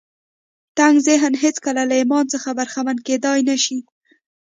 تنګ ذهن هېڅکله له ایمان څخه برخمن کېدای نه شي